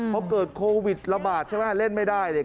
พอเกิดโควิดระบาดใช่ไหมเล่นไม่ได้เนี่ย